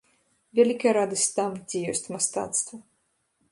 Вялікая радасць там, дзе ёсць мастацтва.